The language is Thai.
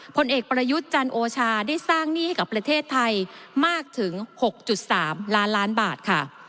ผลเอกประยุทธ์จันโอชาได้สร้างหนี้ให้กับประเทศไทยมากถึง๖๓ล้านล้านบาทค่ะ